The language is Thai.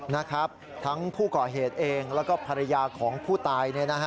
นะครับทั้งผู้ก่อเหตุเองแล้วก็ภรรยาของผู้ตาย